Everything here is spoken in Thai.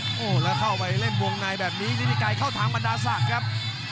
โอ้โหแล้วเข้าไปเล่นวงในแบบนี้ฤทธิไกรเข้าทางบรรดาศักดิ์ครับ